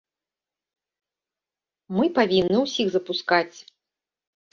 Мы павінны ўсіх запускаць.